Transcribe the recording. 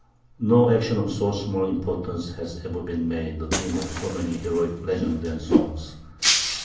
No action of so small importance has ever been made the theme of so many heroic legends and songs.